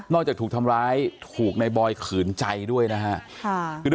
จากถูกทำร้ายถูกในบอยขืนใจด้วยนะฮะ